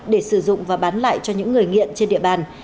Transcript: để sử dụng và bán lại cho những người nghiện trên địa bàn